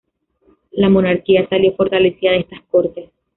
La monarquía salió fortalecida de estas Cortes.